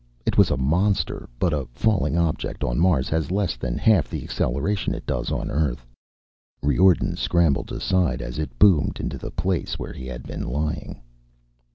It was a monster, but a falling object on Mars has less than half the acceleration it does on Earth. Riordan scrambled aside as it boomed onto the place where he had been lying.